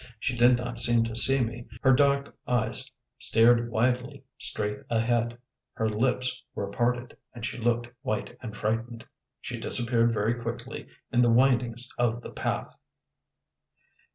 She did not seem to see me, her dark eyes stared widely straight ahead, her lips were parted, and she looked white and frightened. She disappeared very quickly in the windings of the path.